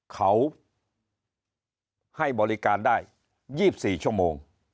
เขาให้บริการได้๒๔ชั่วโมง